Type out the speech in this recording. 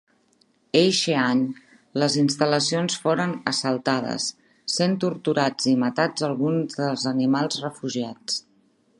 Eixe any les instal·lacions foren assaltades, sent torturats i matats alguns dels animals refugiats.